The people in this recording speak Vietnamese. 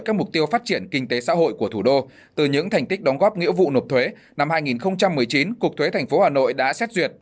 các mục tiêu phát triển kinh tế xã hội của thủ đô từ những thành tích đóng góp nghĩa vụ nộp thuế năm hai nghìn một mươi chín cục thuế tp hà nội đã xét duyệt